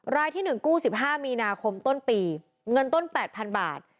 รายที่๑กู้๑๕มีนาคมต้นปีเงินต้น๘๐๐๐บาท